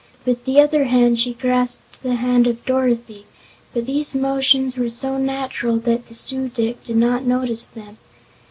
With the other hand she grasped the hand of Dorothy, but these motions were so natural that the Su dic did not notice them.